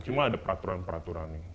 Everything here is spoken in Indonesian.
cuma ada peraturan peraturan